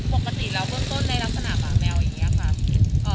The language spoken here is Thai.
ปกติเราก็ต้นในลักษณะหมาแมวอย่างนี้ครับ